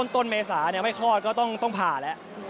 ต้นเมษาไม่คลอดก็ต้องผ่าแล้ว